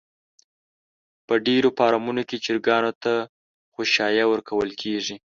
په ډېرو فارمونو کې چرگانو ته خؤشايه ورکول کېږي.